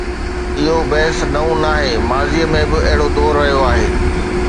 اهو بحث نئون ناهي، ماضي ۾ به اهڙو دور رهيو آهي.